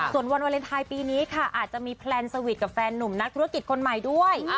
ส่วนวันวาเลนไทยปีนี้ค่ะอาจจะมีแพลนสวีทกับแฟนหนุ่มนักธุรกิจคนใหม่ด้วย